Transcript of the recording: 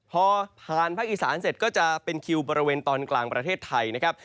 พอผ่านภาคอีสานเสร็จก็จะเป็นคิวบริเวณตอนกลางประเทศไทยนะครับ